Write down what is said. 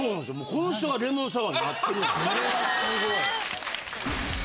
この人がレモンサワーになってるんです。